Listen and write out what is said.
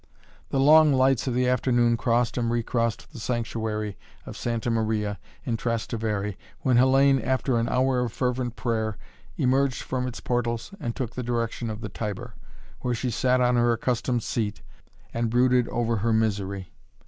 The long lights of the afternoon crossed and recrossed the sanctuary of Santa Maria in Trastevere when Hellayne, after an hour of fervent prayer, emerged from its portals and took the direction of the Tiber, where she sat on her accustomed seat and brooded over her misery.